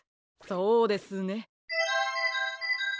そうですね。